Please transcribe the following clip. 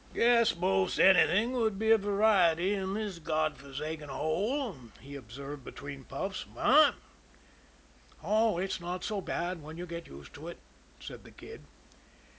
"Guess most anything would be variety in this God forsaken hole," he observed between puffs. "What?" "Oh, it's not so bad when you get used to it," said the Kid.